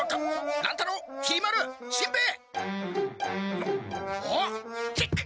・乱太郎きり丸しんべヱ！